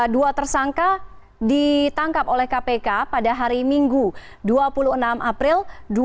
dua tersangka ditangkap oleh kpk pada hari minggu dua puluh enam april dua ribu dua puluh